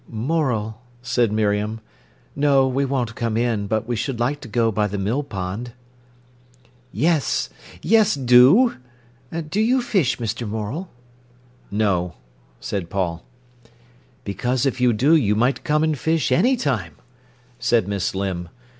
"Morel," said Miriam. "No, we won't come in, but we should like to go by the mill pond." "Yes—yes, do. Do you fish, Mr. Morel?" "No," said Paul. "Because if you do you might come and fish any time," said Miss Limb.